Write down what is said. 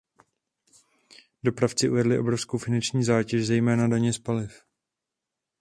Dopravci uvedli obrovskou finanční zátěž, zejména daně z paliv.